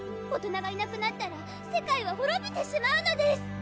大人がいなくなったら世界はほろびてしまうのです！